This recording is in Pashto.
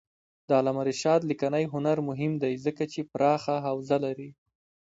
د علامه رشاد لیکنی هنر مهم دی ځکه چې پراخه حوزه لري.